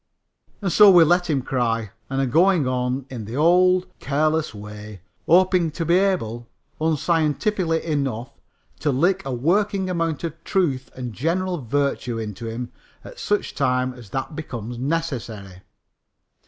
And so we let him cry, and are going on in the old, careless way, hoping to be able, unscientifically enough, to lick a working amount of truth and general virtue into him at such time as that becomes necessary.